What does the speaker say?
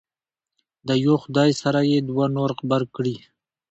د یو خدای سره یې دوه نور غبرګ کړي.